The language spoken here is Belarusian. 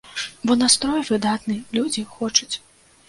Бо настрой выдатны, людзі хочуць.